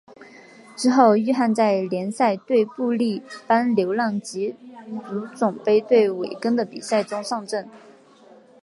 之后域汉在联赛对布力般流浪及足总杯对韦根的比赛中上阵。